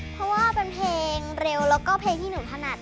เพราะว่าเป็นเพลงเร็วแล้วก็เพลงที่หนูถนัด